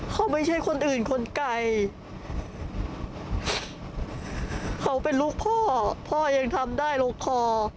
เขาไม่ใช่คนอื่นคนไกลเขาเป็นลูกพ่อพ่อยังทำได้ลงคอ